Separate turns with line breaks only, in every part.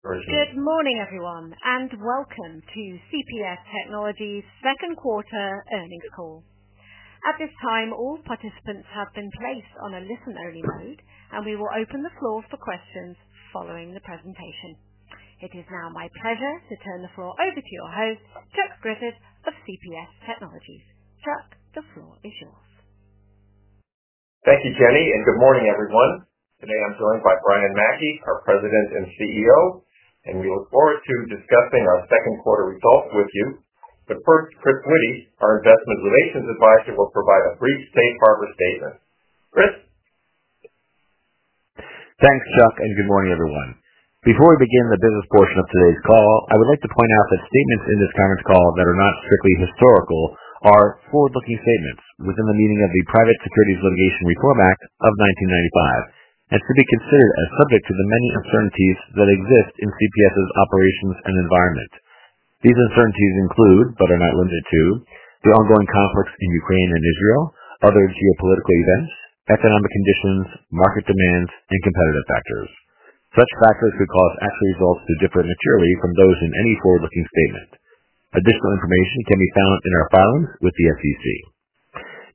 Good morning, everyone, and welcome to CPS Technologies' second quarter earnings call. At this time, all participants have been placed on a listen-only mode, and we will open the floor for questions following the presentation. It is now my pleasure to turn the floor over to your host, Charles Griffith, of CPS Technologies. Chuck, the floor is yours.
Thank you, Jenny, and good morning, everyone. Today, I'm joined by Brian Mackey, our President and CEO, and we look forward to discussing our second quarter results with you. First, Chris Witty, our Investor Relations Advisor, will provide a brief Safe Harbor statement. Chris?
Thanks, Chuck, and good morning, everyone. Before we begin the business portion of today's call, I would like to point out that statements in this conference call that are not strictly historical are forward-looking statements within the meaning of the Private Securities Litigation Reform Act of 1995 and should be considered as subject to the many uncertainties that exist in CPS's operations and environment. These uncertainties include, but are not limited to, the ongoing conflicts in Ukraine and Israel, other geopolitical events, economic conditions, market demands, and competitive factors. Such factors could cause actual results to differ materially from those in any forward-looking statement. Additional information can be found in our filings with the SEC.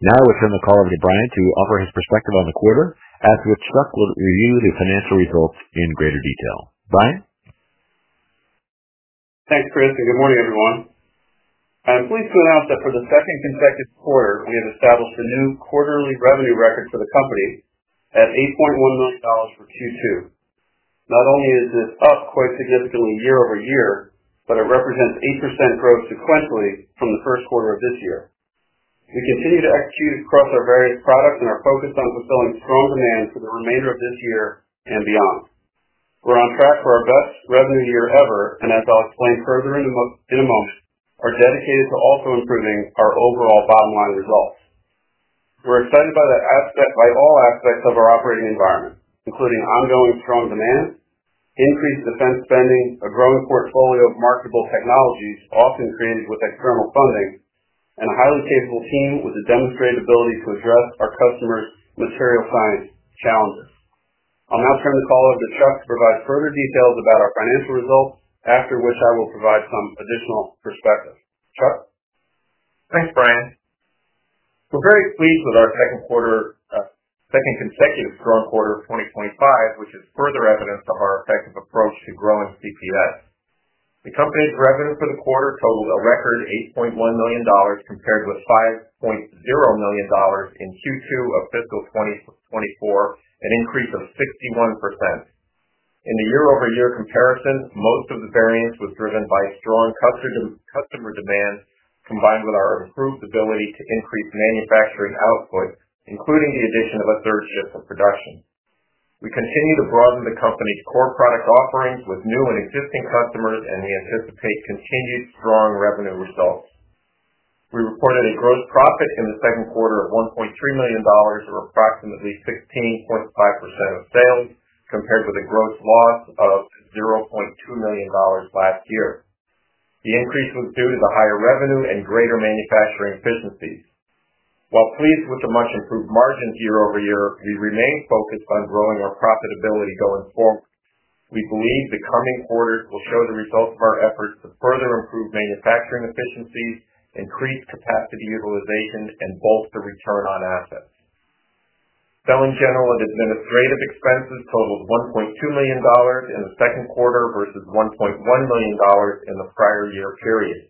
Now, I will turn the call over to Brian to offer his perspective on the quarter, after which Chuck will review the financial results in greater detail. Brian?
Thanks, Chris, and good morning, everyone. I am pleased to announce that for the second consecutive quarter, we have established a new quarterly revenue record for the company at $8.1 million for Q2. Not only is this up quite significantly year over year, but it represents 8% growth sequentially from the first quarter of this year. We continue to execute across our various products and are focused on fulfilling strong demands for the remainder of this year and beyond. We're on track for our best revenue year ever, and as I'll explain further in a moment, are dedicated to also improving our overall bottom-line results. We're excited by all aspects of our operating environment, including ongoing strong demand, increased defense spending, a growing portfolio of marketable technologies often created with external funding, and a highly capable team with a demonstrated ability to address our customers' material science challenges. I'll now turn the call over to Chuck to provide further details about our financial results, after which I will provide some additional perspective. Chuck?
Thanks, Brian. We're very pleased with our second quarter, second consecutive strong quarter of 2025, which is further evidence of our effective approach to growing CPS. The company's revenue for the quarter totaled a record $8.1 million compared with $5.0 million in Q2 of fiscal 2024, an increase of 61%. In the year-over-year comparison, most of the variance was driven by strong customer demand combined with our approved ability to increase manufacturing output, including the addition of a third shift of production. We continue to broaden the company's core product offerings with new and existing customers and anticipate continued strong revenue results. We reported a gross profit in the second quarter of $1.3 million or approximately 16.5% of sales compared with a gross loss of $0.2 million last year. The increase was due to the higher revenue and greater manufacturing efficiencies. While pleased with the much improved margins year over year, we remain focused on growing our profitability going forward. We believe the coming quarters will show the results of our efforts to further improve manufacturing efficiencies, increase capacity utilization, and bolster return on assets. Selling, general and administrative expenses totaled $1.2 million in the second quarter versus $1.1 million in the prior year period.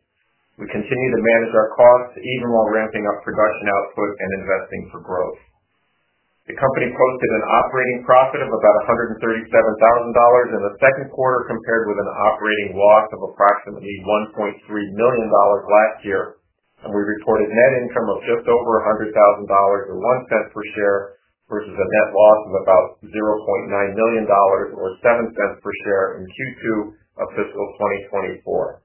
We continue to manage our costs even while ramping up production output and investing for growth. The company posted an operating profit of about $137,000 in the second quarter compared with an operating loss of approximately $1.3 million last year, and we reported net income of just over $100,000 and $0.01 per share versus a net loss of about $0.9 million or $0.07 per share in Q2 of fiscal 2024.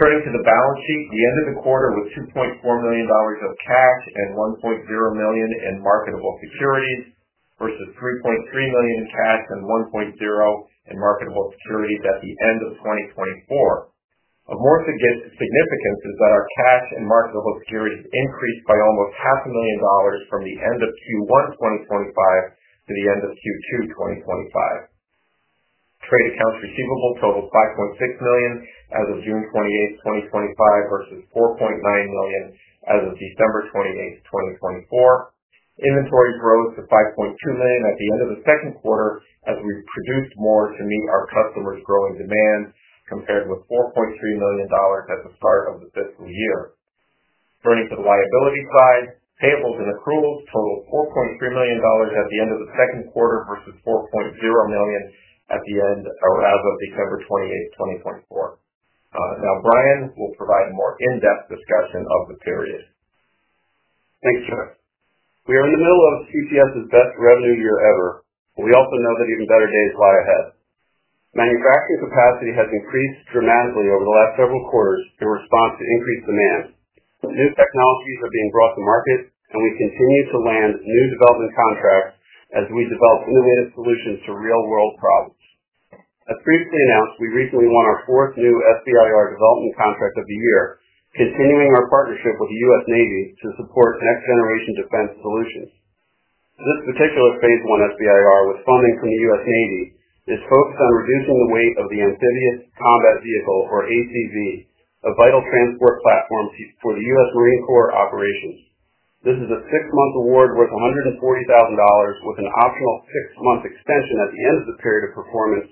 Turning to the balance sheet, the end of the quarter was $2.4 million of cash and $1.0 million in marketable securities versus $3.3 million in cash and $1.0 million in marketable securities at the end of 2024. Of more significance is that our cash and marketable securities increased by almost $500,000 from the end of Q1 of 2025 to the end of Q2 of 2025. Trade accounts receivable totaled $5.6 million as of June 28, 2025 versus $4.9 million as of December 28, 2024. Inventory growth of $5.2 million at the end of the second quarter as we've produced more to meet our customers' growing demands compared with $4.3 million at the start of the fiscal year. Turning to the liability side, payables and accruals totaled $4.3 million at the end of the second quarter versus $4.0 million as of December 28, 2024. Now, Brian will provide a more in-depth discussion of the period.
Thanks, Chuck. We are in the middle of CPS' best revenue year ever. We also know that even better days lie ahead. Manufacturing capacity has increased dramatically over the last several quarters in response to increased demand. New technologies are being brought to market, and we continue to land new development contracts as we develop the latest solutions to real-world problems. As previously announced, we recently won our fourth new SBIR development contract of the year, continuing our partnership with the US Navy to support next-generation defense solutions. This particular phase I SBIR with funding from the US Navy is focused on reducing the weight of the Amphibious Combat Vehicle, or ACV, a vital transport platform for the US Marine Corps operations. This is a six-month award worth $140,000 with an optional six-month extension at the end of the period of performance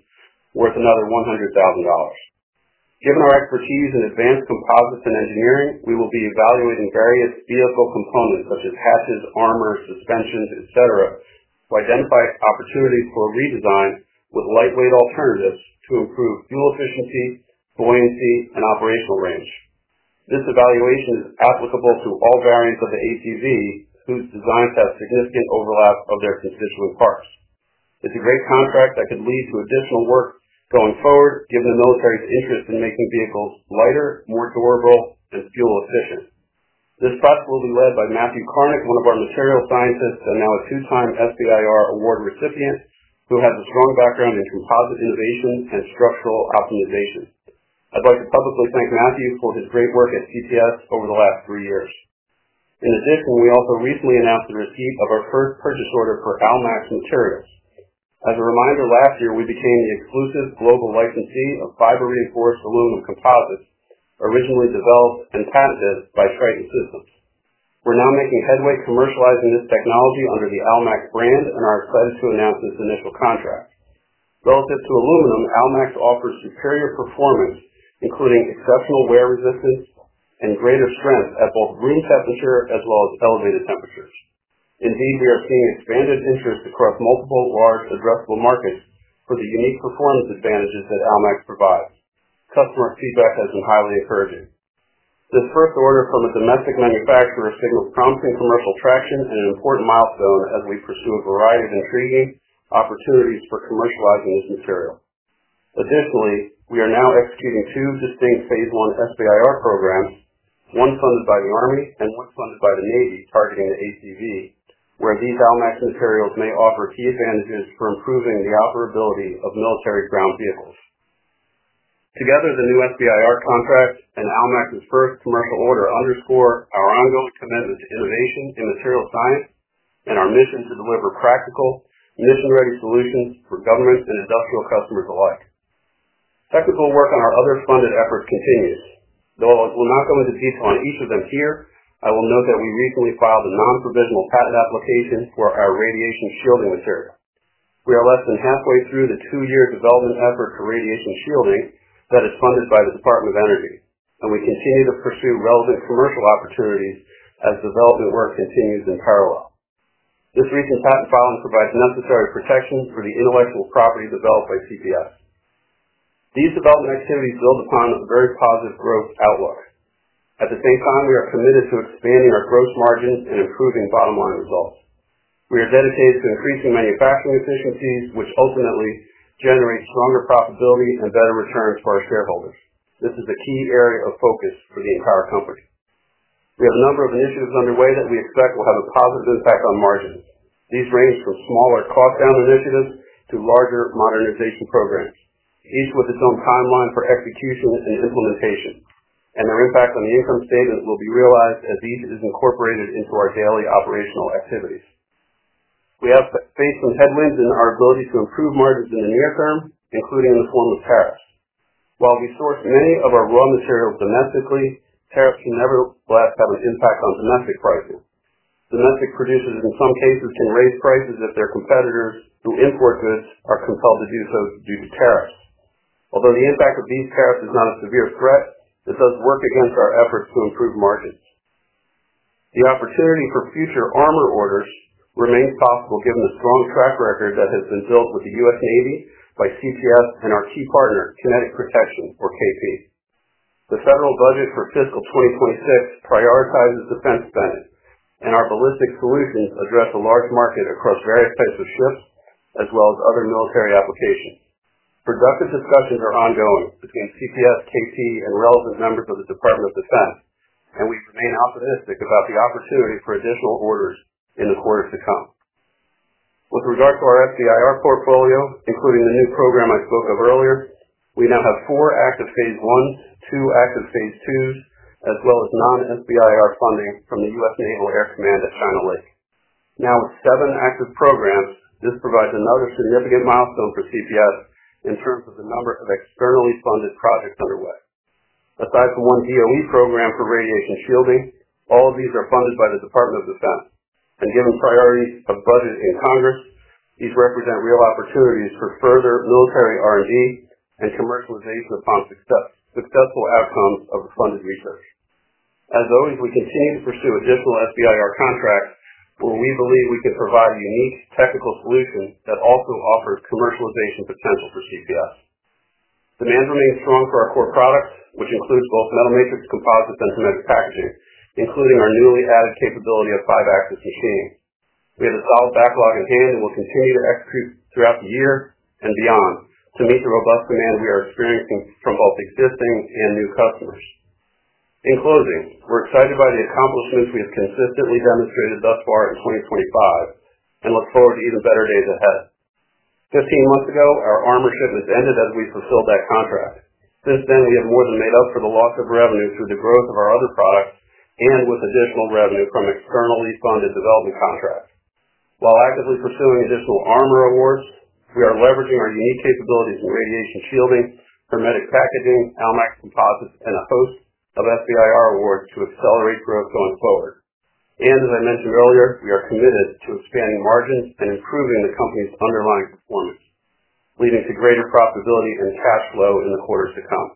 worth another $100,000. Given our expertise in advanced composites and engineering, we will be evaluating various vehicle components such as hatches, armor, suspensions, et cetera, to identify opportunities for a redesign with lightweight alternatives to improve fuel efficiency, buoyancy, and operational range. This evaluation is applicable to all variants of the ACV, whose designs have significant overlap of their constituent parts. It's a great contract that could lead to additional work going forward, given the military's interest in making vehicles lighter, more durable, and fuel-efficient. This process will be led by Matthew Karnick, one of our material scientists and now a two-time SBIR award recipient, who has a strong background in composite innovation and structural optimization. I'd like to publicly thank Matthew for his great work at CPS over the last three years. In addition, we also recently announced the receipt of our first purchase order for AlMax materials. As a reminder, last year we became the exclusive global licensee of fiber-reinforced aluminum composites, originally developed and patented by Triton Systems. We're now making headway commercializing this technology under the AlMax brand and are excited to announce this initial contract. Relative to aluminum, AlMax offers superior performance, including exceptional wear resistance and greater strength at both room temperature as well as elevated temperatures. Indeed, we are seeing expanded interest across multiple large addressable markets for the unique performance advantages that AlMax provides. Customer feedback has been highly encouraging. This first order from a domestic manufacturer signals promising commercial traction and an important milestone as we pursue a variety of intriguing opportunities for commercializing this material. Additionally, we are now executing two distinct phase I SBIR programs, one funded by the Army and one funded by the Navy targeting the ACV, where these AlMax materials may offer key advantages for improving the operability of military ground vehicles. Together, the new SBIR contract and AlMax's first commercial order underscore our ongoing commitment to innovation in material science and our mission to deliver practical, mission-ready solutions for governments and industrial customers alike. Technical work on our other funded efforts continues. Though I will not go into detail on each of them here, I will note that we recently filed a non-provisional patent application for our radiation shielding material. We are less than halfway through the two-year development effort for radiation shielding that is funded by the Department of Energy, and we continue to pursue relevant commercial opportunities as development work continues in parallel. This recent patent filing provides necessary protection for the intellectual property developed by CPS. These development activities build upon a very positive growth outlook. At the same time, we are committed to expanding our gross margin and improving bottom-line results. We are dedicated to increasing manufacturing efficiencies, which ultimately generate stronger profitability and better returns for our shareholders. This is a key area of focus for the entire company. We have a number of initiatives underway that we expect will have a positive impact on margins. These range from smaller cost-down initiatives to larger modernization programs, each with its own timeline for execution and implementation, and their impact on the income statement will be realized as each is incorporated into our daily operational activities. We have faced some headwinds in our ability to improve margins in the near term, including in the form of tariffs. While we source many of our raw materials domestically, tariffs nevertheless have an impact on domestic pricing. Domestic producers, in some cases, can raise prices if their competitors who import goods are compelled to do so due to tariffs. Although the impact of these tariffs is not a severe threat, it does work against our efforts to improve margins. The opportunity for future armor orders remains possible given the strong track record that has been built with the US Navy, by CPS, and our key partner, Kinetic Protection, or KP. The federal budget for fiscal 2026 prioritizes defense spending, and our ballistic solutions address a large market across various types of ships as well as other military applications. Productive discussions are ongoing between CPS, KP, and relevant members of the Department of Defense, and we remain optimistic about the opportunity for additional orders in the quarters to come. With regard to our SBIR portfolio, including the new program I spoke of earlier, we now have four active phase I, two active phase IIs, as well as non-SBIR funding from the US Naval Air Command at China Lake. Now with seven active programs, this provides another significant milestone for CPS in terms of the number of externally funded projects underway. Aside from one DOE program for radiation shielding, all of these are funded by the Department of Defense. Given priorities of budget in Congress, these represent real opportunities for further military R&D and commercialization upon successful outcomes of the funded research. As always, we continue to pursue additional SBIR contracts when we believe we can provide a unique technical solution that also offers commercialization potential for CPS. Demand remains strong for our core products, which include both metal matrix composites and hermetic packaging, including our newly added capability of five-axis machines. We have a solid backlog in hand and will continue to execute throughout the year and beyond to meet the robust demand we are experiencing from both existing and new customers. In closing, we're excited by the accomplishments we have consistently demonstrated thus far in 2025 and look forward to even better days ahead. Fifteen months ago, our armor ship has ended as we fulfilled that contract. Since then, we have more than made up for the loss of revenue through the growth of our other products and with additional revenue from externally funded development contracts. While actively pursuing additional armor awards, we are leveraging our unique capabilities in radiation shielding, hermetic packaging, AlMax composites, and a host of SBIR awards to accelerate growth going forward. As I mentioned earlier, we are committed to expanding margins and improving the company's underlying performance, leading to greater profitability and cash flow in the quarter to come.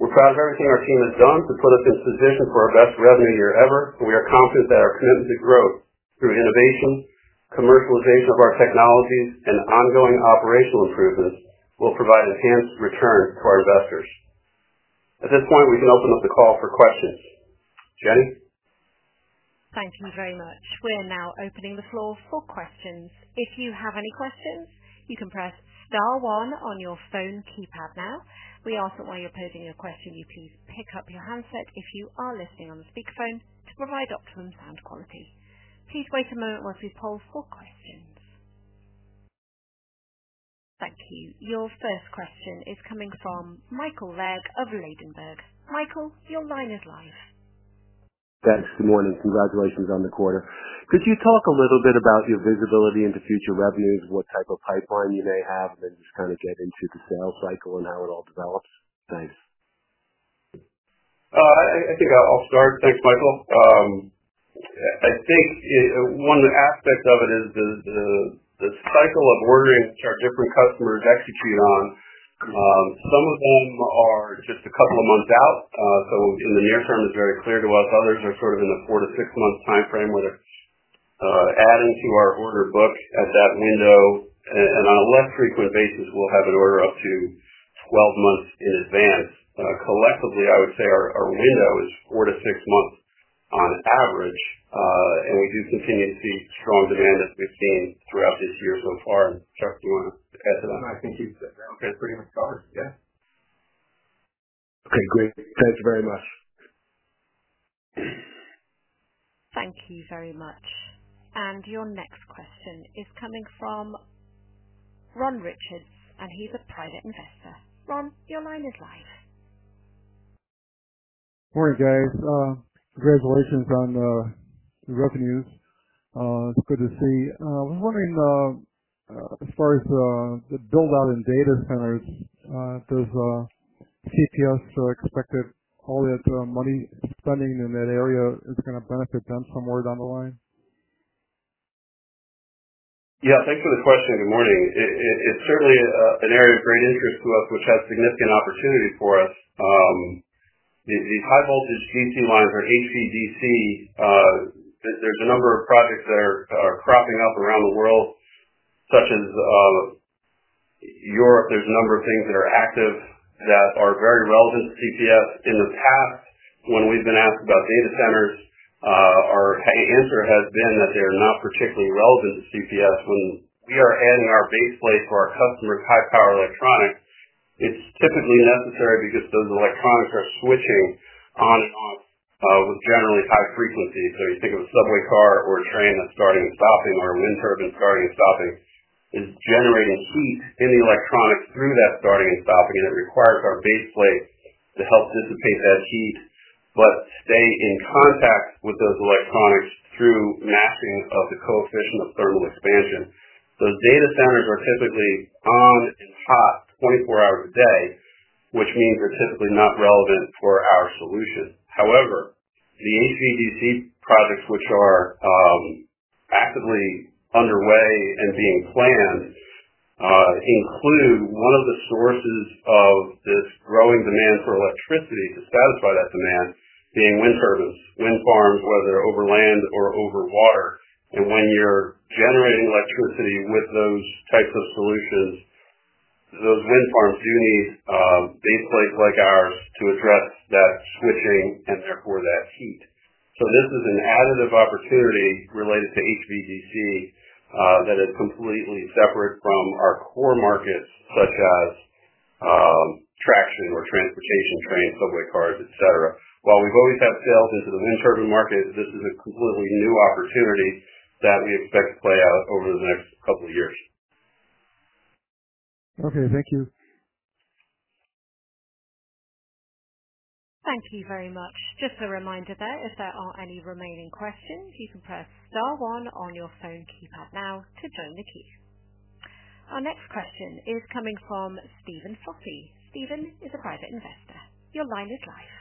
We're proud of everything our team has done to put us in position for our best revenue year ever, and we are confident that our commitment to growth through innovation, commercialization of our technologies, and ongoing operational improvements will provide enhanced returns to our investors. At this point, we can open up the call for questions. Jenny?
Thank you very much. We are now opening the floor for questions. If you have any questions, you can press star one on your phone keypad now. We ask that while you're posing your question, you please pick up your handset if you are listening on the speakerphone to provide optimum sound quality. Please wait a moment while we poll for questions. Thank you. Your first question is coming from Michael Legg of Ladenburg. Michael, your line is live.
Thanks. Good morning. Congratulations on the quarter. Could you talk a little bit about your visibility into future revenues, what type of pipeline you may have, and just kind of get into the sales cycle and how it all develops? Thanks.
I think I'll start. Thanks, Michael. I think one aspect of it is the cycle of ordering that our different customers execute on. Some of them are just a couple of months out, so in the near term, it's very clear to us. Others are sort of in the four to six months timeframe where they're adding to our order book at that window. On a less frequent basis, we'll have an order up to twelve months in advance. Collectively, I would say our window is four to six months on average, and we do continue to see strong demand as we've seen throughout this year so far. Chuck, do you want to add to that?
I think you've pretty much covered. Yeah.
I agree. Thanks very much.
Thank you very much. Your next question is coming from Ron Richards, and he's a private investor. Ron, your line is live. Morning, Jenny. Congratulations on the revenue. It's good to see. I was wondering, as far as the build-out in data centers, does CPS expect that all that money spending in that area is going to benefit them somewhere down the line?
Yeah, thanks for the question. Good morning. It's certainly an area of great interest to us, which has significant opportunity for us. The high-voltage DC lines or HVDC, there's a number of projects that are cropping up around the world, such as Europe. There's a number of things that are active that are very relevant to CPS. In the past, when we've been asked about data centers, our answer has been that they are not particularly relevant to CPS. When we are adding our base plate for our customers' high-power electronics, it's typically necessary because those electronics are switching on and off, with generally high frequencies. You think of a subway car or a train that's starting and stopping or a wind turbine starting and stopping, it's generating heat in the electronics through that starting and stopping, and it requires our base plate to help dissipate that heat but stay in contact with those electronics through mapping of the coefficient of thermal expansion. Those data centers are typically on and hot 24 hours a day, which means they're typically not relevant for our solution. However, the HVDC projects, which are actively underway and being planned, include one of the sources of this growing demand for electricity to satisfy that demand being wind turbines. Wind farms, whether over land or over water. When you're generating electricity with those types of solutions, those wind farms do need base plates like ours to address that switching and therefore that heat. This is an additive opportunity related to HVDC that is completely separate from our core markets such as traction or transportation trains, public cars, et cetera. While we've always had sales into the wind turbine market, this is a completely new opportunity that we expect to play out over the next couple of years. Okay. Thank you.
Thank you very much. Just a reminder that if there are any remaining questions, you can press star one on your phone keypad now to join the queue. Our next question is coming from Stephen Coffey. Stephen is a private investor. Your line is live.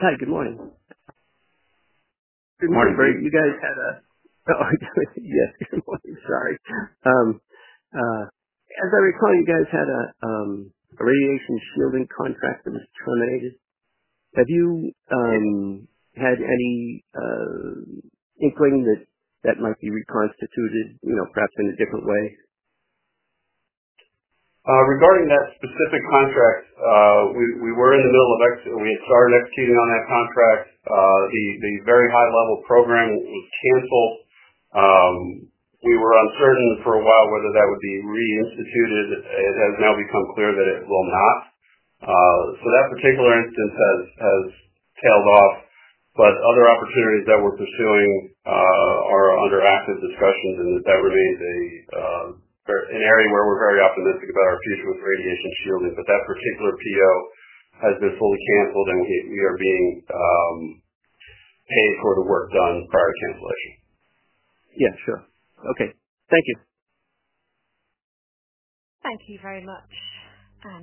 Hi. Good morning.
Good morning. You guys had a radiation shielding contract that was terminated. Have you had any inkling that that might be reconstituted, you know, perhaps in a different way? Regarding that specific contract, we were in the middle of, we had started executing on that contract. The very high-level program was canceled. We were uncertain for a while whether that would be reinstituted. It has now become clear that it will not. That particular instance has tailed off. Other opportunities that we're pursuing are under active discussions, and this definitely is an area where we're very optimistic about our future with radiation shielding. That particular PO has been fully canceled, and we are being paid for the work done prior to cancellation. Yeah, sure. Okay. Thank you.
Thank you very much.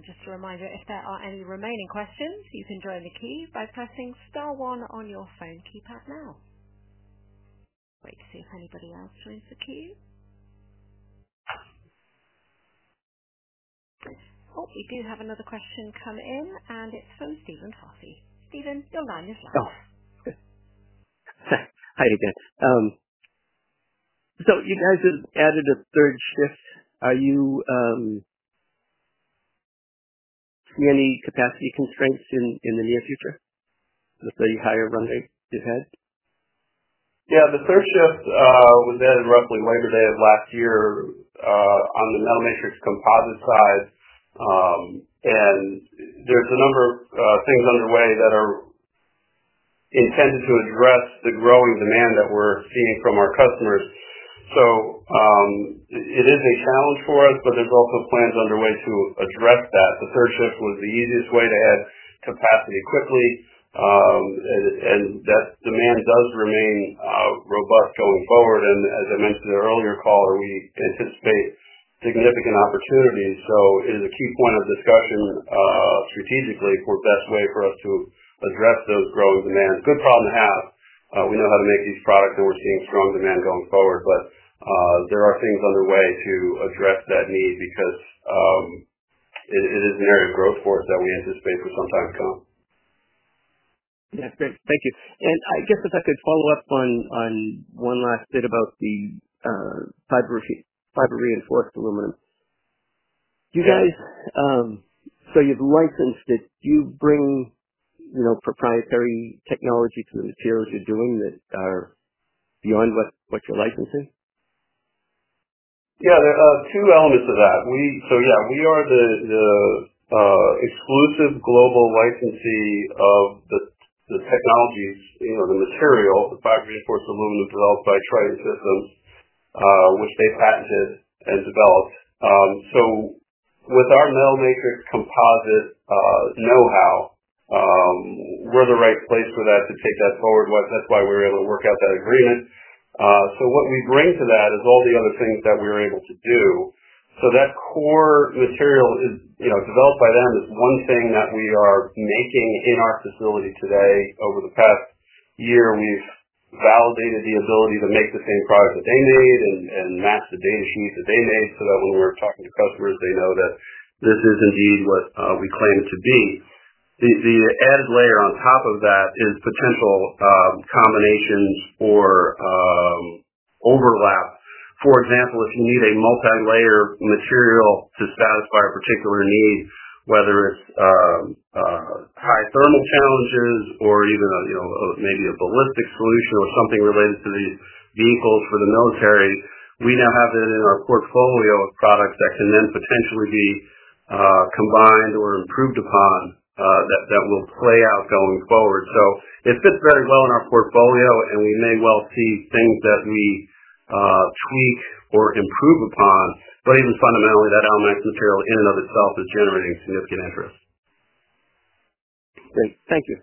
Just a reminder, if there are any remaining questions, you can join the queue by pressing star one on your phone keypad now. Wait to see if anybody else joins the queue. Oh, we do have another question come in, and it's from Stephen Coffey. Stephen, your line is live. Oh, good. Hi, again. You guys have added a third shift. Are you seeing any capacity constraints in the near future with the higher run rate you've had?
Yeah, the third shift was added roughly Labor Day of last year on the metal matrix composite side. There's a number of things underway that are intended to address the growing demand that we're seeing from our customers. It is a challenge for us, but there's also plans underway to address that. The third shift was the easiest way to add capacity quickly, and that demand does remain robust going forward. As I mentioned in an earlier call, we anticipate significant opportunities. It is a key point of discussion strategically for the best way for us to address those growing demands. Good problem to have. We know how to make these products, and we're seeing strong demand going forward. There are things underway to address that need because it is an area of growth for us that we anticipate for some time to come. Yeah, great. Thank you. I guess if I could follow up on one last bit about the fiber-reinforced aluminum. Do you guys, so you've licensed it. Do you bring proprietary technology to the materials you're doing that are beyond what you're licensing? Yeah, there are two elements of that. We are the exclusive global licensee of the technologies, you know, the material, the fiber-reinforced aluminum developed by Triton Systems, which they patented and developed. With our metal matrix composite know-how, we're the right place for that to take that forward. That's why we were able to work out that agreement. What we bring to that is all the other things that we were able to do. That core material, you know, developed by them, is one thing that we are making in our facility today. Over the past year, we've validated the ability to make the same products that they made and match the data sheets that they made so that when we're talking to customers, they know that this is indeed what we claim it to be. The added layer on top of that is potential combinations or overlaps. For example, if we need a multi-layer material to satisfy a particular need, whether it's high thermal challenges or even, you know, maybe a ballistic solution or something related to the vehicles for the military, we now have that in our portfolio of products that can then potentially be combined or improved upon. That will play out going forward. It fits very well in our portfolio, and we may well see things that we tweak or improve upon. Even fundamentally, that AlMax material in and of itself is generating significant interest. Great. Thank you.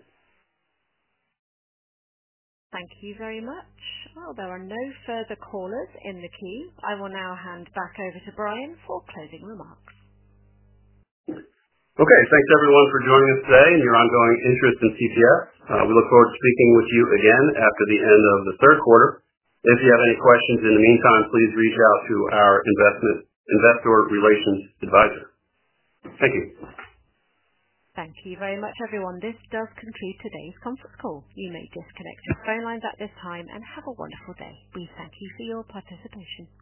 Thank you very much. There are no further callers in the queue. I will now hand back over to Brian for closing remarks.
Okay. Thanks, everyone, for joining us today and your ongoing interest in CPS. We look forward to speaking with you again after the end of the third quarter. If you have any questions in the meantime, please reach out to our Investor Relations Advisor. Thank you.
Thank you very much, everyone. This does conclude today's conference call. You may disconnect from the phone lines at this time and have a wonderful day. We thank you for your participation.